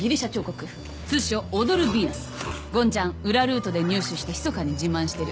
ゴンちゃん裏ルートで入手してひそかに自慢してる。